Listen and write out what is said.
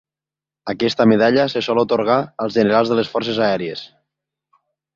Aquesta medalla se sol atorgar als generals de les Forces Aèries.